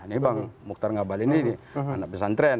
ini bang mukhtar ngabalin ini anak pesantren